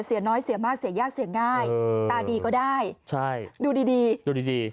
เสียน้อยเสียมากเสียยากเสียง่ายตาดีก็ได้ใช่ดูดีดีดูดีดี